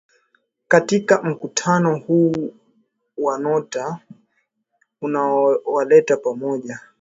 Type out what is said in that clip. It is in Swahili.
katika mkutano huu wa nato unaowaleta pamoja